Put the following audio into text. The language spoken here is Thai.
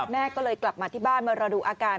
แม่ก็เลยกลับมาที่บ้านมารอดูอาการ